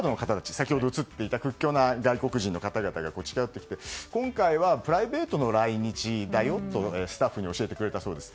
先ほど映っていた屈強な外国人の方々が近寄ってきて今回はプライベートの来日だよとスタッフに教えてくれたようです。